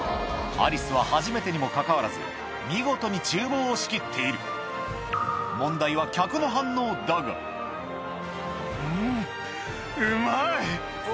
アリスは初めてにもかかわらず見事に厨房を仕切っている問題は客の反応だがうん。